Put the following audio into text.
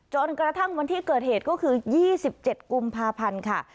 จนกระทั่งวันที่เกิดเหตุก็คือ๒๗กุมภาพันธ์ค่ะ